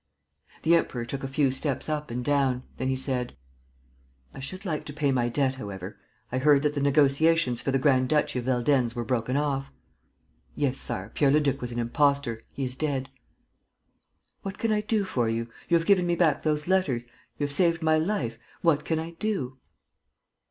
The Emperor took a few steps up and down. Then he said: "I should like to pay my debt, however. I heard that the negotiations for the grand duchy of Veldenz were broken off. ..." "Yes, Sire, Pierre Leduc was an imposter. He is dead." "What can I do for you? You have given me back those letters. ... You have saved my life. ... What can I do?"